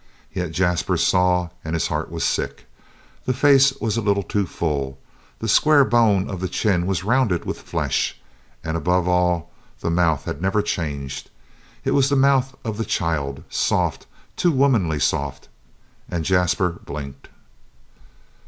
Yet Jasper saw, and his heart was sick. The face was a little too full; the square bone of the chin was rounded with flesh; and, above all, the mouth had never changed. It was the mouth of the child, soft too womanly soft. And Jasper blinked.